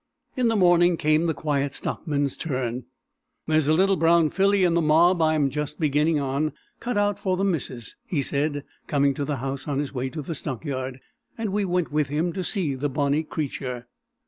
In the morning came the Quiet Stockman's turn. "There's a little brown filly in the mob I'm just beginning on, cut out for the missus," he said, coming to the house on his way to the stockyard, and we went with him to see the bonnie creature.